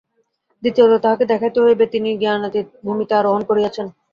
দ্বিতীয়ত তাঁহাকে দেখাইতে হইবে, তিনি জ্ঞানাতীত ভূমিতে আরোহণ করিয়াছেন।